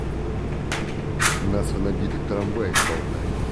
Нас в набитых трамваях болтает.